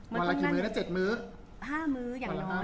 วันไหล่กินมื้อจะ๗มื้อ